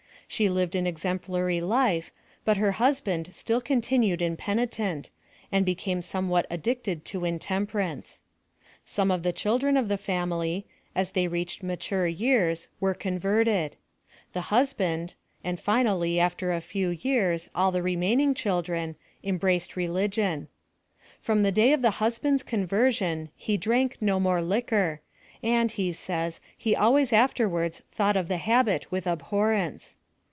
She lived an exemplary life, but her husband still continued impenitent, and be came somewhat addicted to intemperance. Some FLAN OP SALVATION. 25b of the children of the family, as they reached ma ture years, were converted ; the husband, and final ly after a few years, all the remaining children, em braced religion. From the day of the husband's conversion, he drank no more liquor, and, he says he always afterwards thought of the habit with ab horrence.